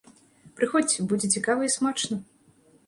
Прыходзьце, будзе цікава і смачна!